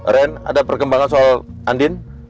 ren ada perkembangan soal andin